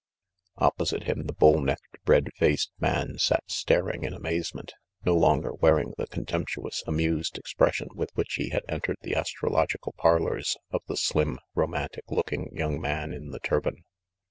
Opposite him the bull necked, red faced man sat star ing in amazement, no longer wearing the contemptu ous, amused expression with which he had entered the astrological parlors of the slim, romantic looking, young man in the turban.